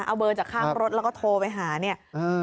เอาเบอร์จากข้างรถแล้วก็โทรไปหาเนี่ย